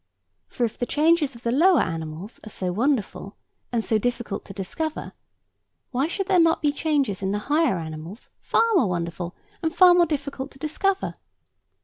For if the changes of the lower animals are so wonderful, and so difficult to discover, why should not there be changes in the higher animals far more wonderful, and far more difficult to discover?